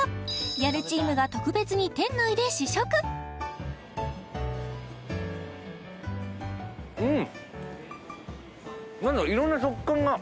ギャルチームが特別に店内で試食うん！